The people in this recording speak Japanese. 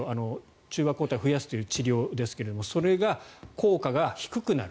中和抗体を増やすという治療それが効果が低くなる。